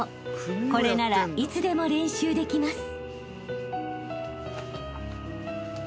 ［これならいつでも練習できます］